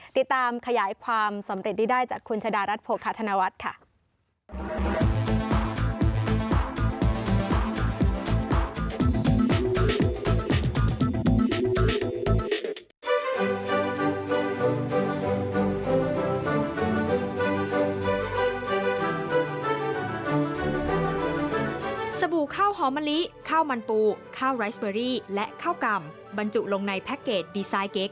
ติดตามขยายความสำเร็จนี้ได้จากคุณชะดารัฐโภคาธนวัฒน์ค่ะ